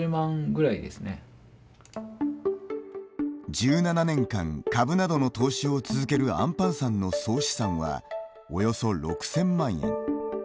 １７年間株などの投資を続けるあんぱんさんの総資産はおよそ６０００万円。